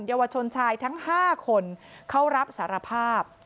เยาวชนชายทั้ง๕คนเขารับสารภาพ